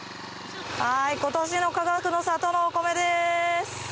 はい今年のかがくの里のお米です。